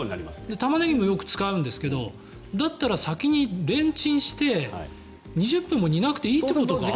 タマネギもよく使うんですが、だったら先にレンチンして２０分も煮なくていいということですか？